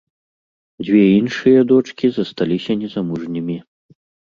Дзве іншыя дочкі засталіся незамужнімі.